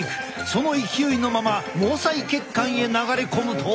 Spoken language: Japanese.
その勢いのまま毛細血管へ流れ込むと。